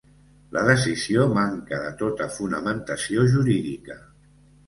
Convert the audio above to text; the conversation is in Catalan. La decisió manca de tota fonamentació jurídica.